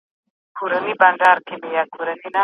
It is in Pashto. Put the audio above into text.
د محلي ښوونکو روزنه د زده کړې د کیفیت لپاره مهمه ده.